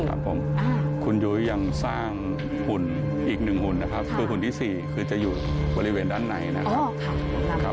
ครับผมคุณยุ้ยยังสร้างหุ่นอีกหนึ่งหุ่นนะครับคือหุ่นที่๔คือจะอยู่บริเวณด้านในนะครับ